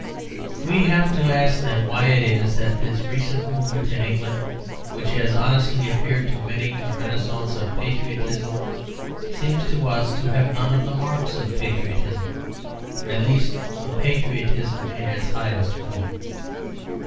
We have to ask, then, Why is it that this recent movement in England, which has honestly appeared to many a renascence of patriotism, seems to us to have none of the marks of patriotism at least, of patriotism in its highest form?